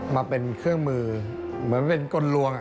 มาเป็นเครื่องมือเหมือนเป็นกลลวง